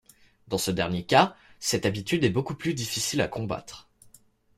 Dans ce dernier cas, cette habitude est beaucoup plus difficile à combattre.